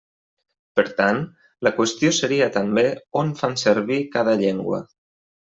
Per tant, la qüestió seria també on fan servir cada llengua.